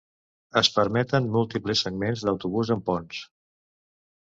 Es permeten múltiples segments d'autobús amb ponts.